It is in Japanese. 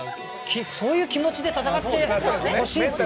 そういう気持ちで戦ってほしいです。